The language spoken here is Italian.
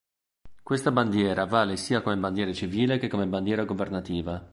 Questa bandiera vale sia come bandiera civile che come bandiera governativa.